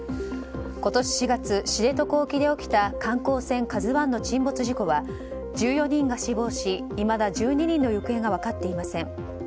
今年４月知床沖で起きた観光船「ＫＡＺＵ１」の沈没事故は１４人が死亡しいまだ１２人の行方が分かっていません。